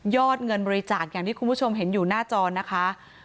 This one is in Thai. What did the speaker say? เงินบริจาคอย่างที่คุณผู้ชมเห็นอยู่หน้าจอนะคะ